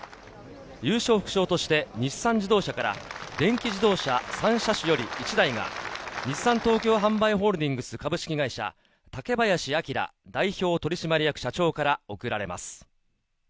優勝副賞として日産自動車から電気自動車３車種より１台が、日産東京販売ホールディングス株式会社・竹林彰代表取締役社長から贈られます。